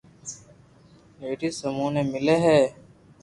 لڌيز سمون بي ملي هي